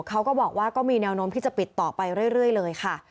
เขาก็บอกว่าก็มีแนวโน้มที่จะปิดต่อไปเรื่อยเลยค่ะ